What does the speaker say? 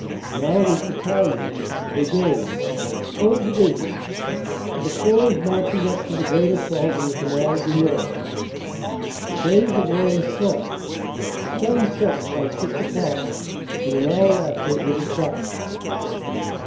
Now it is battalions, brigades, whole divisions, for the Corps is marching up to the great assault on the Canal du Nord. The days are growing short; the sun sets by six o clock, and an hour after it is dark.